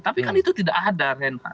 tapi kan itu tidak ada reinhard